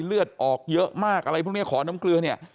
เลือดออกเยอะมากอะไรพวกนี้ขอน้ำเกลือเนี่ย